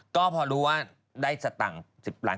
ก็พอรู้ว่าได้สตังค์๑๐ล้าน